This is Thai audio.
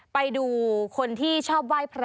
ไปดูคนที่ชอบไหว้พระ